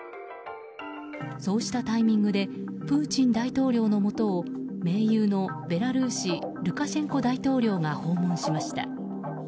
そうしたタイミングでプーチン大統領のもとを盟友の、ベラルーシルカシェンコ大統領が訪問しました。